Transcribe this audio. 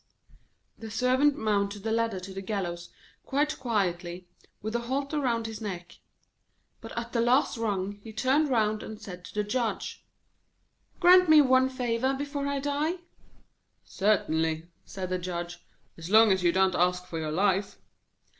The Servant mounted the ladder to the gallows quite quietly, with the halter round his neck; but at the last rung he turned round and said to the Judge: 'Grant me one favour before I die.' 'Certainly,' said the Judge, 'as long as you don't ask for your life.'